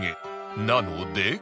なので